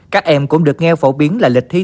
các em cũng được nghe phổ biến là lịch thi